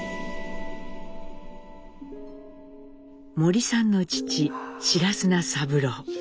森さんの父白砂三郎。